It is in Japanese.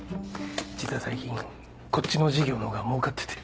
実は最近こっちの事業の方がもうかってて。